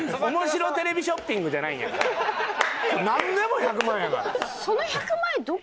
なんでも１００万やから。